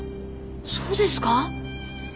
そうですか？